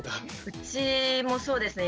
うちもそうですね。